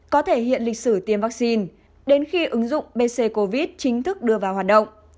có thể hiện lịch sử tiêm vaccine đến khi ứng dụng bc covid chính thức đưa vào hoạt động